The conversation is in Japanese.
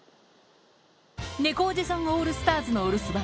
猫おじさんオールスターズのお留守番。